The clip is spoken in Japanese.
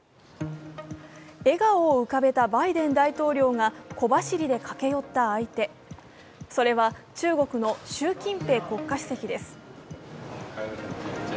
笑顔を浮かべたバイデン大統領が小走りで駆け寄った相手、それは中国の習近平国家主席です。